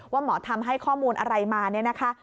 หมอทำให้ข้อมูลอะไรมาเนี่ยนะคะ